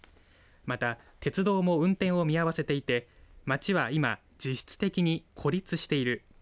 また鉄道も運転を見合わせていて町は今、実質的に孤立している。